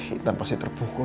intan pasti terpukul